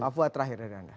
apa terakhir dari anda